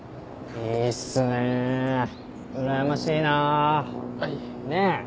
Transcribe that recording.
いいっすねうらやましいな。ねぇ。